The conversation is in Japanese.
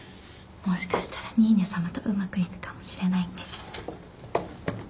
もしかしたらニーニャさまとうまくいくかもしれないんで。